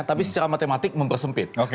tapi secara matematik mempersempit